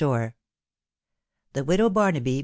*, THE WIDOW BARNABY.